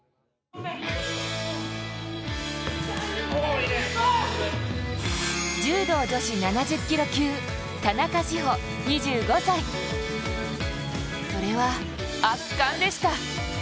女子柔道７０キロ級、田中志歩２５歳それは圧巻でした。